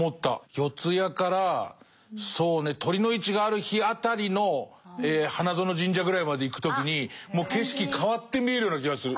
四谷からそうね酉の市がある日辺りの花園神社ぐらいまで行く時にもう景色変わって見えるような気がする。